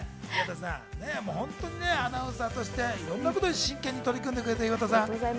アナウンサーとしてどんなことにも真剣に取り組んでくれている岩田さん。